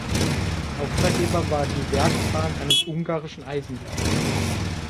Auftraggeber war die Werksbahn eines ungarischen Eisenwerks.